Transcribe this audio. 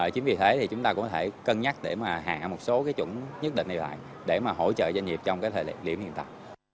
chính vì thế thì chúng ta cũng có thể cân nhắc để mà hạ một số cái chuẩn nhất định này lại để mà hỗ trợ doanh nghiệp trong cái thời điểm hiện tại